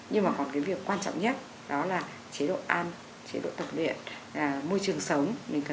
nhưng mà còn cái việc quan trọng nhất đó là chế độ ăn chế độ tập luyện môi trường sống mình cần